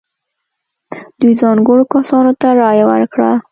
دوی ځانګړو کسانو ته رایه ورکړه.